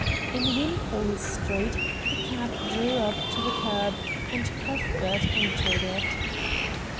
In Wimpole Street the cab drew up to the curb, and Cuthbert entered it.